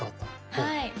はい。